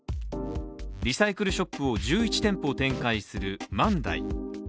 リサイクルショップを１１店舗展開する万代。